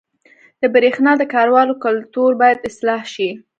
• د برېښنا د کارولو کلتور باید اصلاح شي.